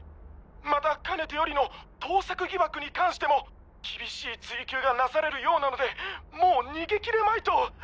またかねてよりの盗作疑惑に関しても厳しい追及がなされるようなのでもう逃げ切れまいと。